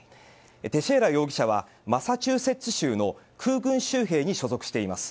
テシェイラ容疑者はマサチューセッツ州の空軍州兵に所属しています。